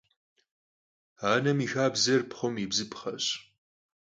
Anem yi xabzer pxhum yi bzıpxheş.